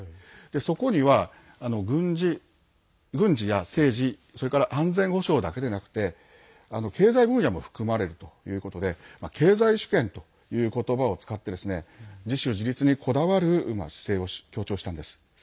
そこには軍事や政治それから安全保障だけでなくて経済分野も含まれるということで経済主権ということばを使って自主自立にこだわる姿勢を強調したんです。